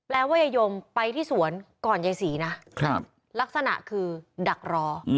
ว่ายายยมไปที่สวนก่อนยายศรีนะลักษณะคือดักรอ